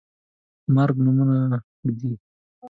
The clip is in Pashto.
د مرګ نومونه ږدي